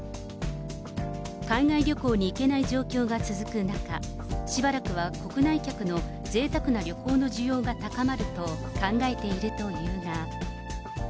海外旅行に行けない状況が続く中、しばらくは国内客の贅沢な旅行の需要が高まると考えているというが。